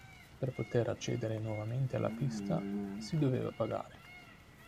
Per poter accedere nuovamente alla pista si doveva pagare.